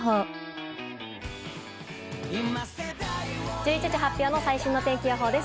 １１時発表の最新の天気予報です。